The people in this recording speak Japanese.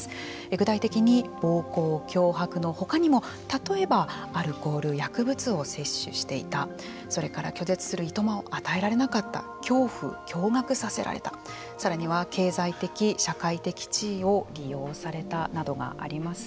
具体的に暴行・脅迫のほかにも例えばアルコール・薬物を摂取していたそれから拒絶するいとまを与えられなかった恐怖・驚がくさせられたさらには経済的・社会的地位を利用されたなどがあります。